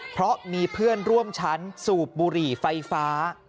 เพราะมีเพื่อนร่วมชั้นสูบบุหรี่ไฟฟ้า